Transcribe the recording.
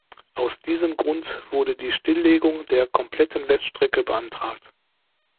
Aus diesem Grund wurde die Stilllegung der kompletten Weststrecke beantragt.